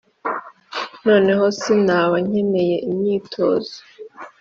noneho sinaba nkeneye imyitozo.